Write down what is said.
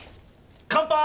乾杯！